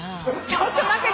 ちょっと待って！